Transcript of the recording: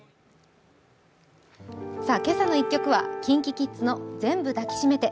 「けさの１曲」はＫｉｎＫｉＫｉｄｓの「全部だきしめて」